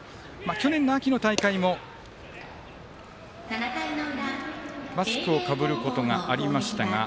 去年の秋の大会もマスクをかぶることがありましたが。